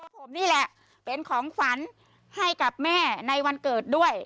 ผมนี่แหละเป็นของขวัญให้กับแม่ในวันเกิดด้วย